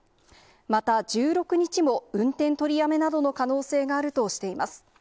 また、１６日も運転取りやめなどの可能性があるとしています。